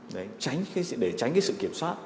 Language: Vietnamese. đấy tránh để tránh cái sự kiểm soát